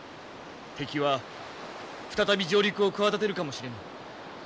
敵は再び上陸を企てるかもしれぬ。